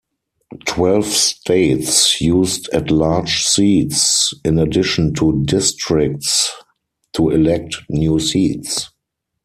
Twelve states used at-large seats in addition to districts to elect new seats.